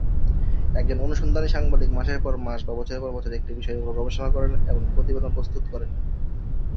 একজন অনুসন্ধানী সাংবাদিক মাসের পর মাস বা বছরের পর বছর একটি বিষয়ের উপর গবেষণা করেন এবং প্রতিবেদন প্রস্তুত করেন।